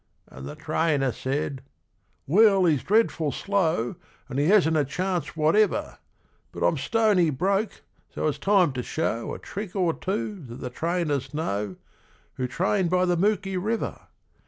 And the trainer said, 'Well, he's dreadful slow, And he hasn't a chance whatever; But I'm stony broke, so it's time to show A trick or two that the trainers know Who train by the Mooki River.